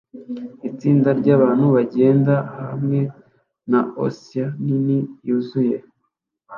Itsinda ryabantu bagenda hamwe na Oscar nini yuzuye